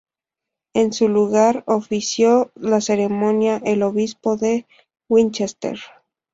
En su lugar, ofició la ceremonia el obispo de Winchester.